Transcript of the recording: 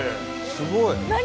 すごい。何？